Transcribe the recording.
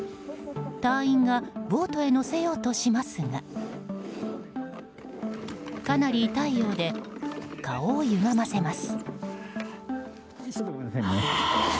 隊員がボートへ乗せようとしますがかなり痛いようで顔をゆがませます。